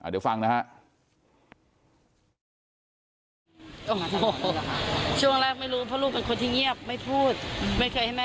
เดี๋ยวฟังนะฮะ